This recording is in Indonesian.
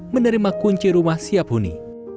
menerima kunci rumah siap huni